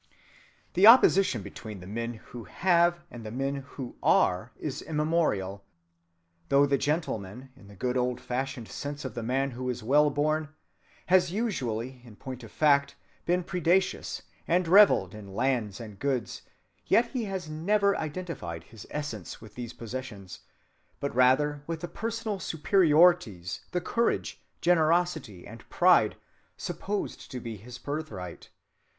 The opposition between the men who have and the men who are is immemorial. Though the gentleman, in the old‐fashioned sense of the man who is well born, has usually in point of fact been predaceous and reveled in lands and goods, yet he has never identified his essence with these possessions, but rather with the personal superiorities, the courage, generosity, and pride supposed to be his birthright.